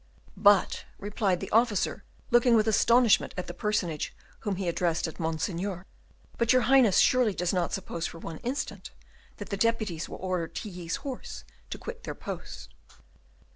"But," replied the officer, looking with astonishment at the personage whom he addressed as Monseigneur, "but your Highness surely does not suppose for one instant that the deputies will order Tilly's horse to quit their post?"